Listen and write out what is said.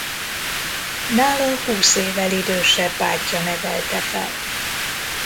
Nála húsz évvel idősebb bátyja nevelte fel.